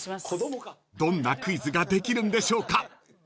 ［どんなクイズができるんでしょうか］